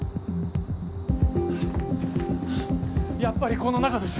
やっぱりこの中です！